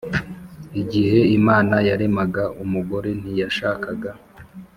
igihe Imana yaremaga umugore ntiyashakaga